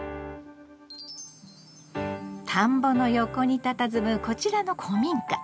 田んぼの横にたたずむこちらの古民家。